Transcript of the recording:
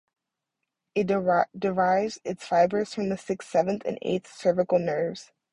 It derives its fibers from the sixth, seventh, and eighth cervical nerves.